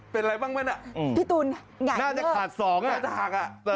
เป็นอะไรบ้างไหมนะน่าจะขาด๒น่าจะขาด